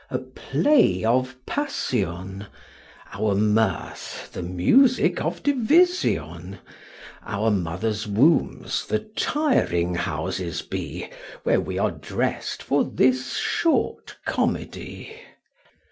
A play of passion, Our mirth the music of division, Our mother's wombs the tiring houses be, Where we are dressed for this short comedy.